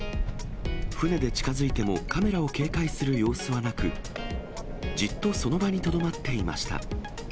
船で近づいてもカメラを警戒する様子はなく、じっとその場にとどまっていました。